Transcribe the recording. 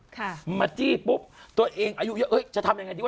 ค่ะมาจี้ปุ๊บตัวเองอายุเยอะเอ้ยจะทำยังไงดีว